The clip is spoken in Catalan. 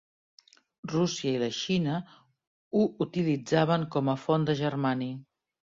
Rússia i la Xina ho utilitzaven com a font de germani.